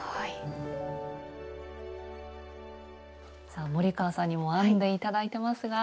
さあ森川さんにも編んで頂いてますが。